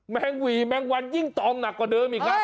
แมงวีแมงวันยิ่งตอมหนักกว่าเดิม